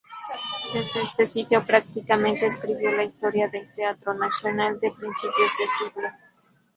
Desde este sitio, prácticamente, escribió la historia del teatro nacional de principio de siglo.